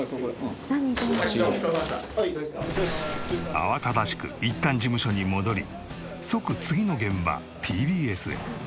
慌ただしくいったん事務所に戻り即次の現場ＴＢＳへ。